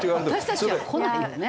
私たちはこないよね。